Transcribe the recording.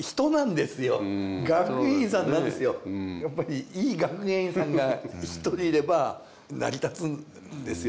やっぱりいい学芸員さんが１人いれば成り立つんですよね。